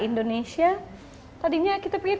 indonesia tadinya kita pikir